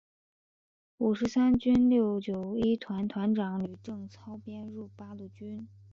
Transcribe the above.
五十三军六九一团团长吕正操编入八路军。